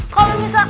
kau bisa ngevote aku